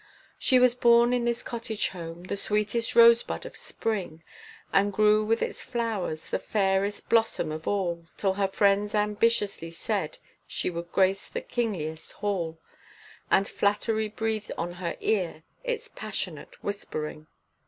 She was born in this cottage home, the sweetest rosebud of spring, And grew with its flowers, the fairest blossom of all, Till her friends ambitiously said she would grace the kingliest hall, And flattery breathed on her ear its passionate whispering.